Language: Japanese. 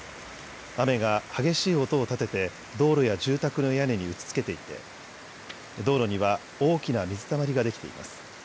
雨が激しい音を立てて道路や住宅の屋根に打ちつけていて道路には大きな水たまりができています。